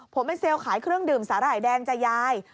ผมเป็นเซลล์ขายเครื่องดื่มสาหร่ายแดงจ้ะยาย